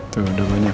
tuh udah banyak